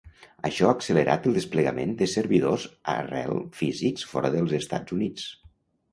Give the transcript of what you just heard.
Això ha accelerat el desplegament de servidors arrel físics fora dels Estats Units.